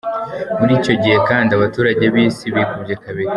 Muri icyo gihe kandi, abaturage b’Isi bikubye kabiri.